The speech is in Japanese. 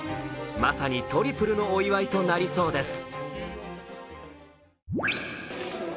まさにトリプルのお祝いとなりそうです。